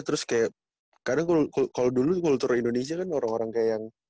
terus kayak karena kalau dulu kultur indonesia kan orang orang kayak yang